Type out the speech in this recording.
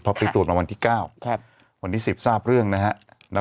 พอไปตรวจมาวันที่๙วันที่๑๐ทราบเรื่องนะฮะ